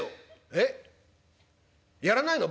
「え？やらないの？